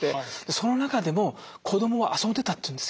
その中でも子どもは遊んでたというんですよね。